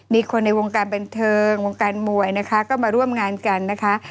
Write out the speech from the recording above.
มีคนในวงการบันเทิงวงการมวยนะคะก็มาร่วมงานกันนะคะ